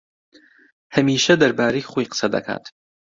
ھەمیشە دەربارەی خۆی قسە دەکات.